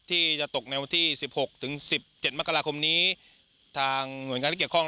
ที่จะตกในวันที่สิบหกถึงสิบเจ็ดมกราคมนี้ทางหน่วยงานที่เกี่ยวข้อง